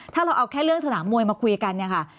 ถ้าเราเอาแค่เรื่องสนามมวยมาคุยกันเนี่ยค่ะ